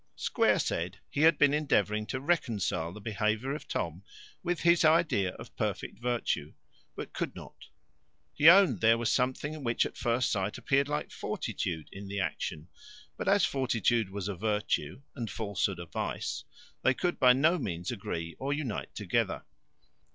Square said, he had been endeavouring to reconcile the behaviour of Tom with his idea of perfect virtue, but could not. He owned there was something which at first sight appeared like fortitude in the action; but as fortitude was a virtue, and falsehood a vice, they could by no means agree or unite together.